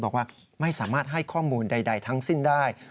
บอกว่าไม่สามารถให้ข้อมูลใดทั้งสิ้นได้